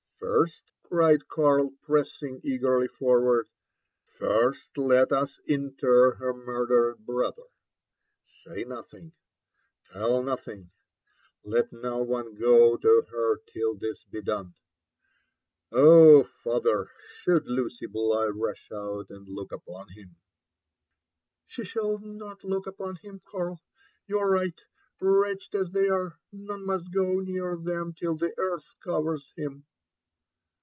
"First," cried Karl, pressing eagerly forward, " first let ua inter her murdered brother. Say nothing— tell nothing— let no one go to her till this be done.— Ob, father! should Luey Bligh rush out and look upon him—" " She sb^U not look upon him, Karl.— You are right;— wretched aa they are, none must go near them till the earth covers him."